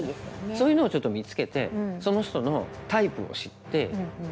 そういうのをちょっと見つけてその人のタイプを知って。